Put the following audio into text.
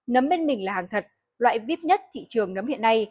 nấm bên mình là hàng thật loại vip nhất thị trường nấm hiện nay